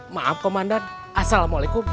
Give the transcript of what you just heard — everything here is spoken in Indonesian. maaf komandan assalamualaikum